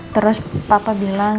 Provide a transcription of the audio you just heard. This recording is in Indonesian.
terus papa bilang